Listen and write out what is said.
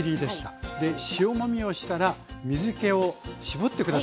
塩もみをしたら水けを絞って下さい。